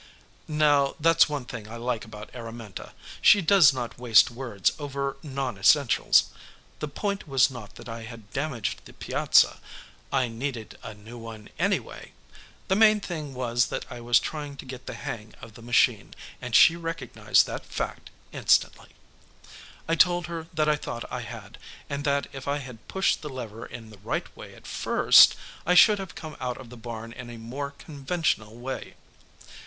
Now that's one thing I like about Araminta. She does not waste words over non essentials. The point was not that I had damaged the piazza. I needed a new one, anyway. The main thing was that I was trying to get the hang of the machine, and she recognized that fact instantly. I told her that I thought I had, and that if I had pushed the lever in the right way at first, I should have come out of the barn in a more conventional way.